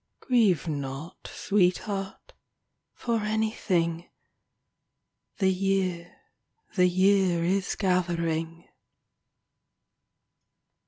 Grieve not, sweetheart, for anything — The year, the year is gathering.